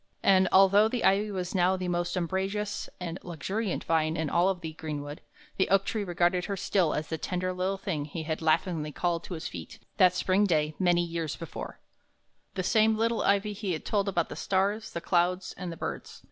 And, although the ivy was now the most umbrageous and luxuriant vine in all the greenwood, the oak tree regarded her still as the tender little thing he had laughingly called to his feet that spring day, many years before, the same little ivy he had told about the stars, the clouds, and the birds.